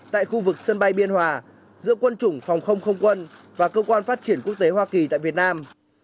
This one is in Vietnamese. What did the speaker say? tại khu vực sân bay biên hòa giữa quân chủng phòng không không quân và cơ quan phát triển quốc tế hoa kỳ tại việt nam